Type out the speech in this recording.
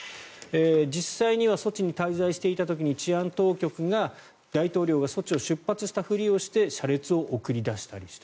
実際にはソチに滞在していた時に治安当局が大統領がソチを出発したふりをして車列を送り出したりした。